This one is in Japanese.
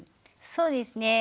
そうですね